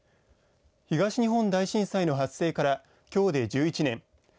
東日本大震災の発生からきょうで１１年。